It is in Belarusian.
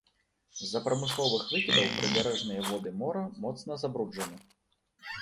З-за прамысловых выкідаў прыбярэжныя воды мора моцна забруджаны.